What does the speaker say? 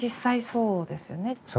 そうですね。